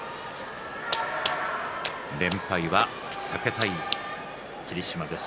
連敗は避けたい霧島です。